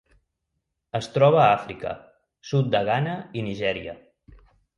Es troba a Àfrica: sud de Ghana i Nigèria.